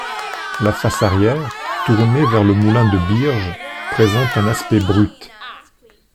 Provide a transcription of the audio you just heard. La face arrière, tournée vers le moulin de Bierges, présente un aspect brut.